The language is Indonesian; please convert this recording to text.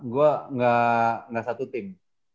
gue gak satu tim